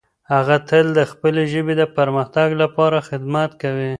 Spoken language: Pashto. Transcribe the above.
هغه تل د خپلې ژبې د پرمختګ لپاره خدمت کوي.